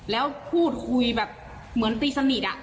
แล้วพูดคุยแบบเหมือนตีสนิท